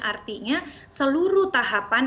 artinya seluruh tahapan